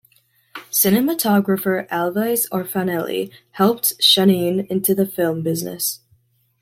Cinematographer Alvise Orfanelli helped Chahine into the film business.